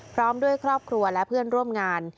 พร้อมด้วยครอบครัวและเพื่อนร่วมงาน